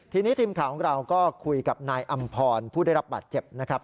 ทีนี้ทีมข่าวของเราก็คุยกับนายอำพรผู้ได้รับบาดเจ็บนะครับ